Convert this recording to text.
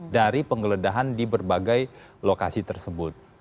dari penggeledahan di berbagai lokasi tersebut